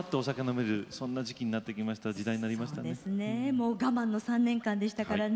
もう我慢の３年間でしたからね。